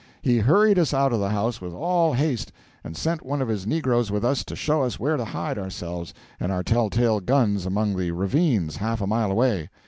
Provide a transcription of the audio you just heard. He hurried us out of the house with all haste, and sent one of his negroes with us to show us where to hide ourselves and our tell tale guns among the ravines half a mile away.